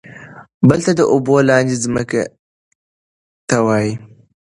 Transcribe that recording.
بل تل د اوبو لاندې ځمکې ته وايي.